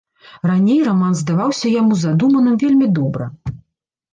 Раней раман здаваўся яму задуманым вельмі добра.